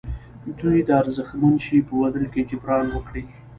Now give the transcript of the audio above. دوی د ارزښتمن شي په بدل کې جبران وکړي.